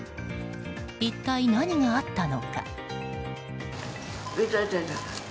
一体何があったのか？